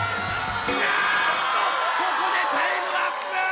あっとここでタイムアップ！